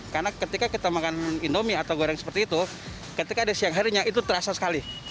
karena ketika kita makan indomie atau goreng seperti itu ketika di siang harinya itu terasa sekali